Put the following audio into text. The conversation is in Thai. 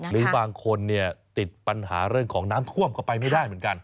หรือบางคนเนี่ยติดปัญหาเรื่องของน้ำท่วมก็ไปไม่ได้เหมือนกัน